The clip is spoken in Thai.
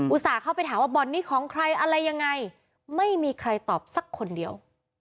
ส่าห์เข้าไปถามว่าบ่อนนี้ของใครอะไรยังไงไม่มีใครตอบสักคนเดียว